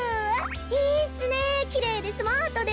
いいっスねきれいでスマートで。